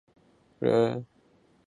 江苏江都人。